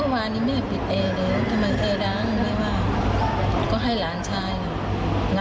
ต้องไปเข้ากับอ้างเลยผมไม่กล้าเข้าเลย